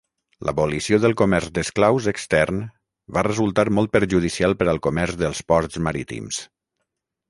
L'abolició del comerç d'esclaus extern va resultar molt perjudicial per al comerç dels ports marítims.